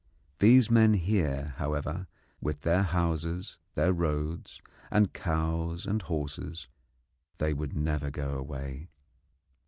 These men here, however, with their houses, their roads and cows and horses they would never go away.